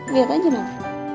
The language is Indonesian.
liat aja dong